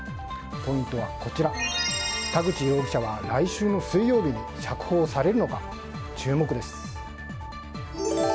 ポイントは田口容疑者は来週水曜日に釈放されるのか注目です。